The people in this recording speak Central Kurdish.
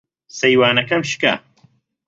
سەیوانەکەم شکا.